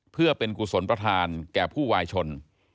เพื่อเป็นกุศลประธานแก่ผู้วายชน